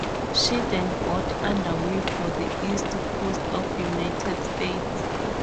She then got underway for the east coast of the United States.